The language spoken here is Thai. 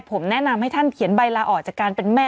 ผมแนะนำให้ท่านเขียนใบลาออกจากการเป็นแม่